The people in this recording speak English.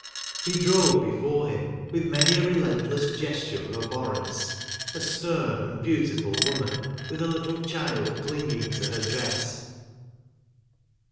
He drove before him, Avith many a relentless gesture of abhorrence, a stem and beautiful woman, with a little child clinging to her dress.